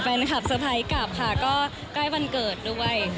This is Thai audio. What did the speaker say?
แฟนคลับสะพายกลับค่ะก็ใกล้วันเกิดด้วย